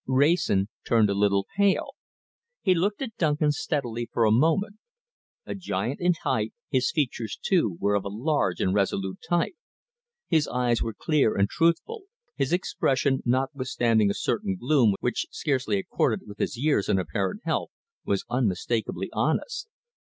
Wrayson turned a little pale. He looked at Duncan steadily for a moment. A giant in height, his features, too, were of a large and resolute type. His eyes were clear and truthful; his expression, notwithstanding a certain gloom which scarcely accorded with his years and apparent health, was unmistakably honest.